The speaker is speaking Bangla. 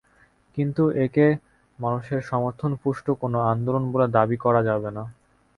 কিন্তু একে মানুষের সমর্থনপুষ্ট কোনো আন্দোলন বলে দাবি করা যাবে না।